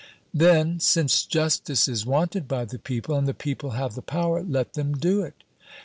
"Then, since justice is wanted by the people, and the people have the power, let them do it."